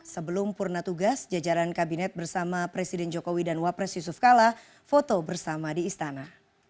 sebelum purna tugas jajaran kabinet bersama presiden jokowi dan wapres yusuf kala foto bersama di istana